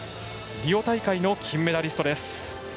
リオ大会の金メダリストです。